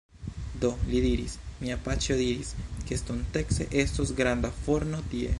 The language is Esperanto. Do, li diris... mia paĉjo diris, ke estontece estos granda forno tie